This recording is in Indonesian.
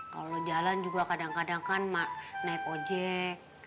kalau jalan juga kadang kadang kan naik ojek